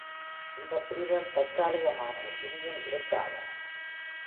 இந்தப் பிரிவுகள் தற்காலிகமானவை, இனியும் இருக்காது.